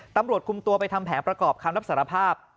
ตำรวจคุมตัวไปทำแผนประกอบคำรับสารภาพ